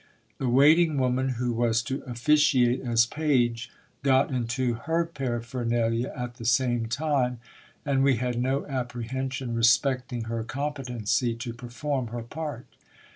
The waiting woman who was to officiate as page, got into her paraphernalia at the same time, and we had no apprehension respecting her competency to perform her part.